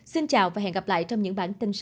xin chào và hẹn gặp lại trong những bản tin sau